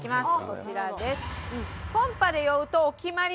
こちらです。